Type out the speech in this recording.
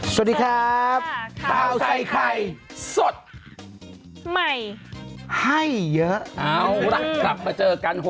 สวัสดีครับข้าวใส่ไข่สดใหม่ให้เยอะเอาล่ะกลับมาเจอกัน